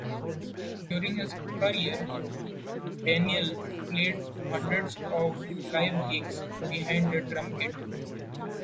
During his career, Daniel played hundreds of live gigs behind the drum kit.